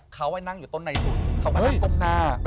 เขาก็นั่งอยู่ในสุด